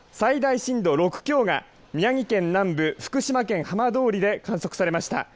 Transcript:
最大震度６強が宮城県南部福島県浜通りで観測されました。